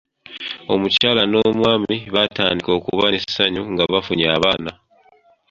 Omukyala n'omwami baatandika okuba ne ssanyu nga bafunye abaana.